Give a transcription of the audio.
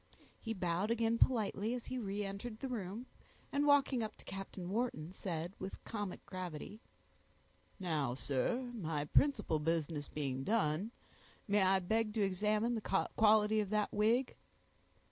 He bowed again politely as he reentered the room, and walking up to Captain Wharton, said, with comic gravity,— "Now, sir, my principal business being done, may I beg to examine the quality of that wig?"